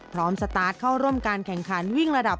สตาร์ทเข้าร่วมการแข่งขันวิ่งระดับ